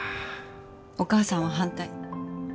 お母さんは反対。